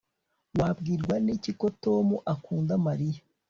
Wabwirwa niki ko Tom akunda Mariya